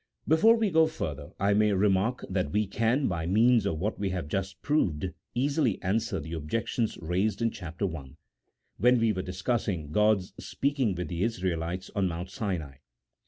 Before we go further, I may remark that we can, by means of what we have just proved, easily answer the objections raised in Chap. I., when we were discussing God's speaking with the Israelites on Mount Sinai.